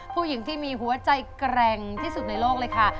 ผู้หญิงที่มีหัวใจแกร่งที่สุดในโลกเลยค่ะ